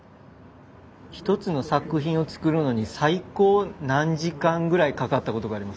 一つの作品を作るのに最高何時間ぐらいかかったことがありますか？